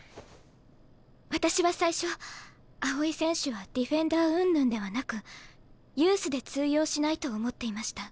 私は最初青井選手はディフェンダーうんぬんではなくユースで通用しないと思っていました。